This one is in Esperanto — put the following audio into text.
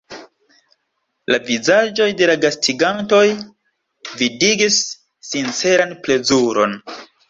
La vizaĝoj de la gastigantoj vidigis sinceran plezuron.